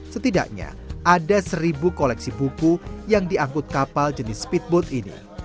setidaknya ada seribu koleksi buku yang diangkut kapal jenis speedboat ini